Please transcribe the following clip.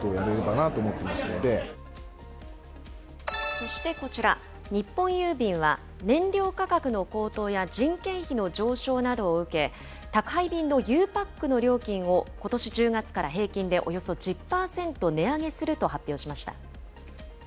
そしてこちら、日本郵便は燃料価格の高騰や人件費の上昇などを受け、宅配便のゆうパックの料金を、ことし１０月から平均でおよそ１０％値上げすると発表しました。